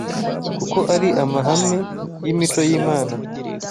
kuko ari amahame y’imico y’Imana